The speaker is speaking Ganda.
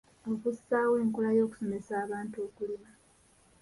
Okussaawo enkola y'okusomesa abantu okulima.